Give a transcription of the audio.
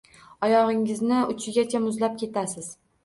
Oyog‘ingizni uchigacha muzlab ketasiz.